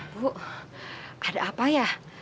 bu ada apa ya